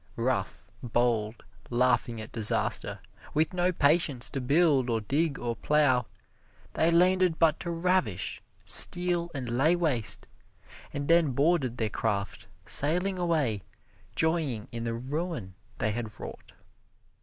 Rough, bold, laughing at disaster, with no patience to build or dig or plow, they landed but to ravish, steal and lay waste, and then boarded their craft, sailing away, joying in the ruin they had wrought.